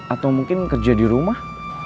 atau mungkin kerja di rumah